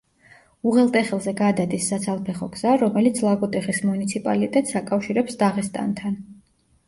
უღელტეხილზე გადადის საცალფეხო გზა, რომელიც ლაგოდეხის მუნიციპალიტეტს აკავშირებს დაღესტანთან.